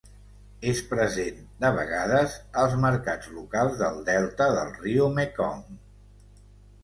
És present, de vegades, als mercats locals del delta del riu Mekong.